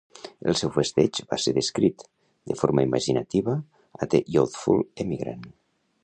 El seu festeig va ser descrit, de forma imaginativa, a "The Youthful Emigrant".